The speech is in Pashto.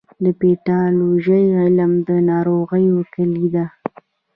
د پیتالوژي علم د ناروغیو کلي ده.